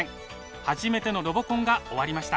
初めてのロボコンが終わりました。